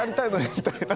みたいな。